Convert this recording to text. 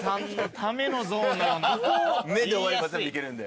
「メン」で終われば全部いけるんで。